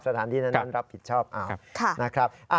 สถานที่นั้นรับผิดชอบครับ